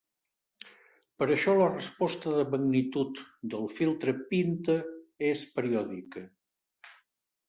Per això, la resposta de magnitud del filtre pinta és periòdica.